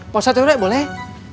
pak ustaz t r w boleh